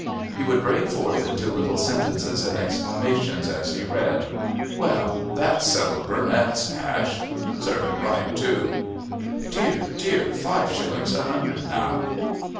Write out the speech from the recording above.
He would break forth into little sentences and exclamations as he read. "Well, that's settled Burnett's hash. Serve him right, too.... Dear, dear, five shillings a hundred now.